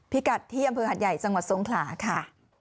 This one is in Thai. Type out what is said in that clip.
กัดที่อำเภอหัดใหญ่จังหวัดทรงขลาค่ะ